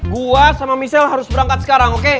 gua sama michelle harus berangkat sekarang oke